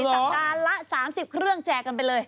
สัปดาห์ละ๓๐เครื่องแจกกันไปเลย